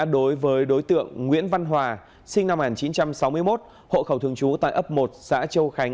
đối với đối tượng nguyễn văn hòa sinh năm một nghìn chín trăm sáu mươi một hộ khẩu thường trú tại ấp một xã châu khánh